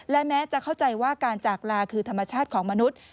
และแม้จะเข้าใจว่าการจากลาคือธรรมชาติของมนุษย์